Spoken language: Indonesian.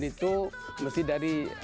itu mesti dari